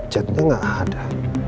jetnya nggak ada